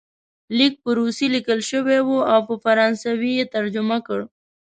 لیک په روسي لیکل شوی وو او په فرانسوي یې ترجمه کړ.